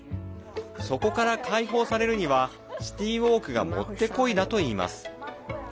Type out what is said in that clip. そこから解放されるにはシティーウォークがもってこいだといいます。